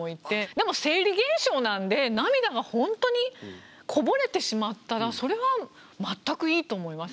でも生理現象なんで涙が本当にこぼれてしまったらそれは全くいいと思います。